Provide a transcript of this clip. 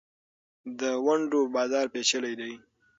د ونډو بازار پېچلی دی.